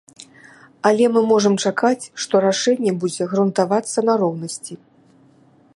Але мы можам чакаць, што рашэнне будзе грунтавацца на роўнасці.